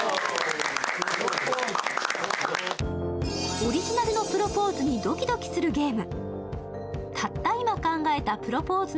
オリジナルのプロポーズにドキドキするゲーム。